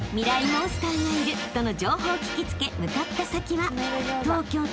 モンスターがいるとの情報を聞き付け向かった先は］